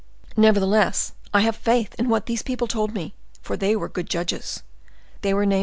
Nevertheless, I have faith in what these people told me, for the were good judges. They were named M.